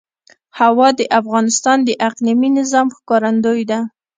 هوا د افغانستان د اقلیمي نظام ښکارندوی ده.